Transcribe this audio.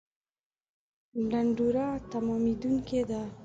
ډنډوره تمامېدونکې ده